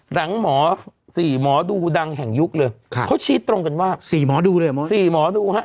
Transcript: หลังหมอสี่หมอดูดังแห่งยุคเลยเขาชี้ตรงกันว่าสี่หมอดูเลยหมอสี่หมอดูฮะ